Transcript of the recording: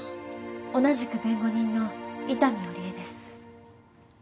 同じく弁護人の伊丹織枝です。